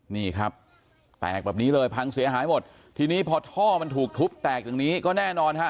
นี่ครับแตกแบบนี้เลยพังเสียหายหมดทีนี้พอท่อมันถูกทุบแตกอย่างนี้ก็แน่นอนฮะ